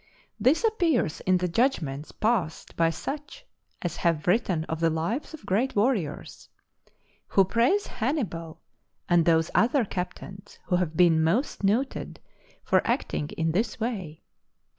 This appears in the judgments passed by such as have written of the lives of great warriors, who praise Hannibal and those other captains who have been most noted for acting in this way.